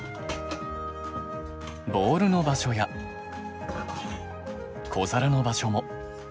ボウルの場所や小皿の場所も。